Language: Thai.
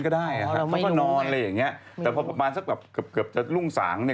กลัวว่าผมจะต้องไปพูดให้ปากคำกับตำรวจยังไง